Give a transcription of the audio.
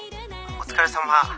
お疲れさま。